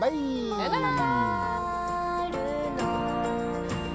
さようなら。